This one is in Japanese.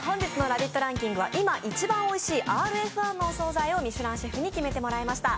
ランキングは今一番おいしいＲＦ１のお総菜をミシュランシェフに決めてもらいました。